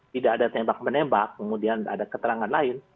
tidak ada tembak menembak kemudian ada keterangan lain